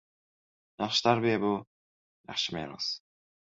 • Yaxshi tarbiya — yaxshi meros.